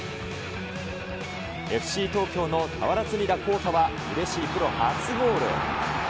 ＦＣ東京の俵積田晃太はうれしいプロ初ゴール。